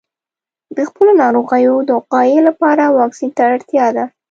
د خپلو ناروغیو د وقایې لپاره واکسین ته اړتیا ده.